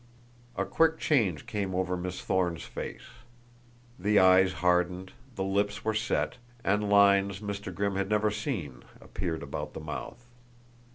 A quick change came over Miss Thorne's face. The eyes hardened, the lips were set, and lines Mr. Grimm had never seen appeared about the mouth.